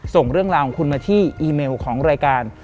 ส่งเรื่องราวของคุณมาที่อีเมลของรายการ